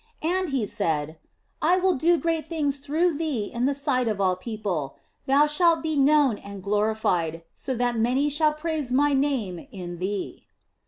And He said, " I will do great things through thee in the sight of all people ; thou shalt be known and glorified, so that many shall praise My name in thee."